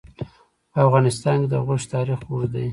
په افغانستان کې د غوښې تاریخ اوږد دی.